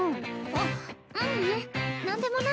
あっ。